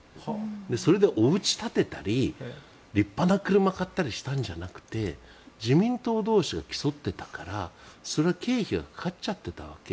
それでおうち建てたり立派な車を買ったりしたんじゃなくて自民党同士が競ってたから経費がかかっちゃってたわけ。